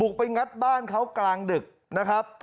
ไปงัดบ้านเขากลางดึกนะครับ